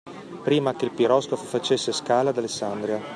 Prima che il piroscafo facesse scalo ad Alessandria.